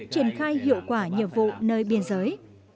triển khai hiệu quả nhiệm vụ nơi biên giới